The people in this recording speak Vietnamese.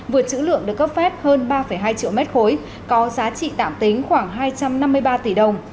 vượt chữ lượng được cấp phép hơn ba hai triệu mét khối có giá trị tạm tính khoảng hai trăm năm mươi ba tỷ đồng